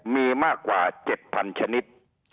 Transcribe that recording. มีมากกว่า๗๐๐ชนิด